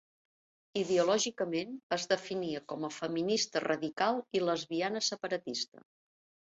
Ideològicament, es definia com a feminista radical i lesbiana separatista.